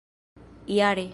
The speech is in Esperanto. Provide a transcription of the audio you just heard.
jare